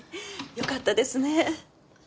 よかったですね。